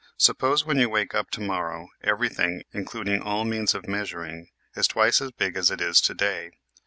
Suppose when you wake up tomorrow everything, including all means of measur ing, is twice as big as it is today.